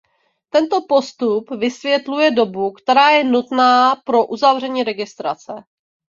Tento postup vysvětluje dobu, která je nutná pro uzavření registrace.